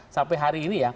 sampai hari ini ya